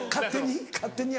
勝手に？